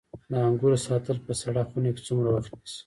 د انګورو ساتل په سړه خونه کې څومره وخت نیسي؟